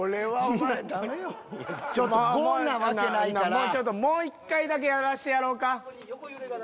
もうちょっともう一回だけやらせてやろうか。